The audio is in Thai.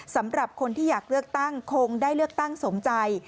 สำหรับคนที่อยากเลือกตั้งคงได้เลือกตั้งสมใจ